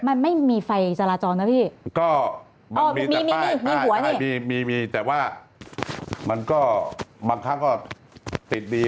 มันไม่มีไฟจราจรนะพี่ก็มันมีแต่ป้ายมีหัวนี่แต่ว่ามันก็บางครั้งก็ติดดี